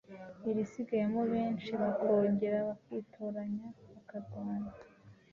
irisigayemo benshi, bakongera bakitoranya bakarwana,